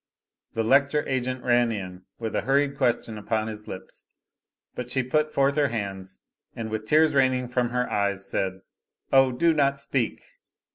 The lecture agent ran in, with a hurried question upon his lips; but she put forth her hands, and with the tears raining from her eyes, said: "Oh, do not speak!